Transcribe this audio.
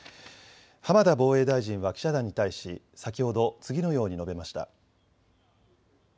浜田防衛大臣は記者団に対し先ほど次のように述べました。